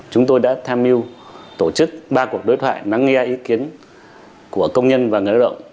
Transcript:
chúng tôi đã tham mưu tổ chức ba cuộc đối thoại nắng nghe ý kiến của công nhân và người lao động